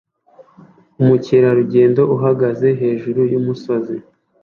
Umukerarugendo uhagaze hejuru yumusozi